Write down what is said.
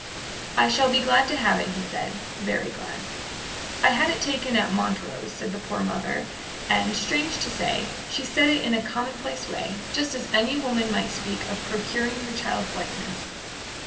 "I shall be glad to have it," he said "very glad." "I had it taken at Montrose," said the poor mother; and, strange to say, she said it in a commonplace way, just as any woman might speak of procuring her child's likeness.